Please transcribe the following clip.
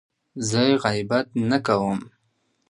زه غیبت نه کوم.